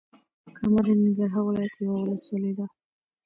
کامه د ننګرهار ولايت یوه ولسوالې ده.